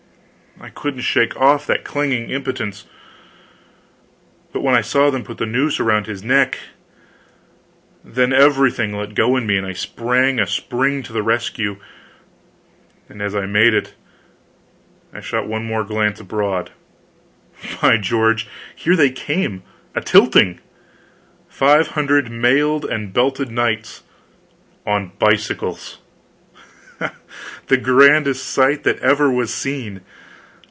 I couldn't shake off that clinging impotence. But when I saw them put the noose around his neck, then everything let go in me and I made a spring to the rescue and as I made it I shot one more glance abroad by George! here they came, a tilting! five hundred mailed and belted knights on bicycles! The grandest sight that ever was seen.